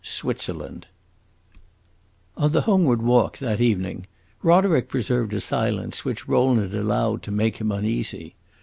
Switzerland On the homeward walk, that evening, Roderick preserved a silence which Rowland allowed to make him uneasy.